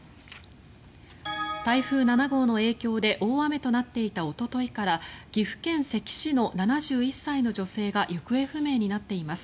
台風７号の影響で大雨となっていたおとといから岐阜県関市の７１歳の女性が行方不明になっています。